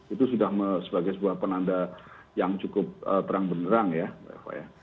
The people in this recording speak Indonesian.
itu sudah sebagai sebuah penanda yang cukup terang benerang ya mbak eva ya